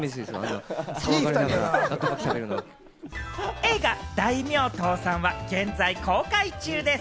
映画『大名倒産』は現在公開中です。